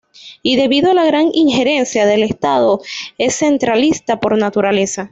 Y debido a la gran injerencia del Estado es centralista por naturaleza.